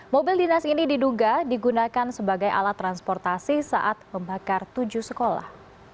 mobil dinas ini diduga digunakan sebagai alat transportasi saat membakar tujuh sekolah